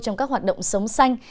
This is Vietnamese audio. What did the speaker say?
trong các hoạt động sống xanh